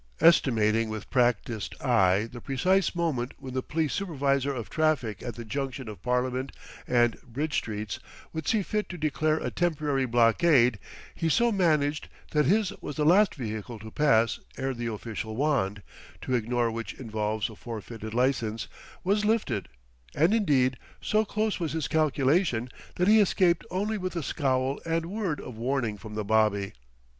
Estimating with practised eye the precise moment when the police supervisor of traffic at the junction of Parliament and Bridge Streets, would see fit to declare a temporary blockade, he so managed that his was the last vehicle to pass ere the official wand, to ignore which involves a forfeited license, was lifted; and indeed, so close was his calculation that he escaped only with a scowl and word of warning from the bobby.